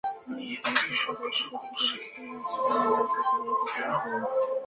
তাই একবার শৌচাগার থেকে ফিরে আসতে না আসতেই আবার শৌচাগারে যেতে লাগলেন।